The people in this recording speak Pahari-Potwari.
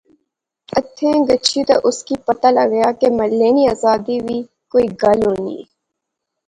ایتھیں گچھی اس کی پتہ لغا کہ ملخے نی آزادی وی کوئی گل ہونی